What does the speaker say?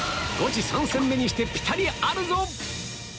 ゴチ３戦目にしてピタリあるぞ！